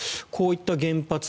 こういった原発